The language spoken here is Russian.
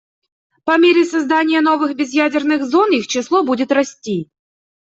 По мере создания новых безъядерных зон их число будет расти.